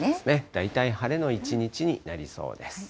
大体晴れの一日になりそうです。